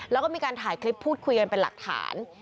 แล้วก็มีการถ่ายคลิปพูดคุยกันเป็นหลักฐาน